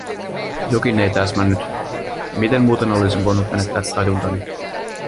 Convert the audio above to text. Jokin ei täsmännyt… Miten muuten olisin voinut menettää tajuntani?